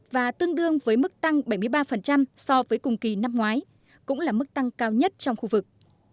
và tương đương với mức tăng bảy mươi ba so với cùng kỳ năm ngoái cũng là mức tăng cao nhất trong khu vực